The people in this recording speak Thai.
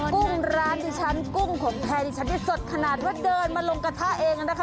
กุ้งร้านที่ฉันกุ้งขนแพงที่ฉันที่สดขนาดว่าเดินมาลงกระทะเองอ่ะนะคะ